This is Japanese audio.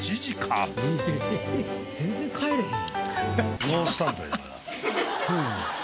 全然帰れへん。